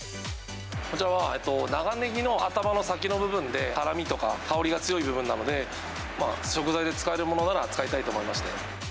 こちらは長ねぎの頭の先の部分で、辛みとか香りの強い部分なので、食材で使えるものなら使いたいと思いまして。